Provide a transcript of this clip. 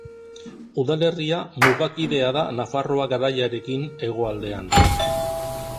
Udalerria mugakidea da Nafarroa Garaiarekin hegoaldean.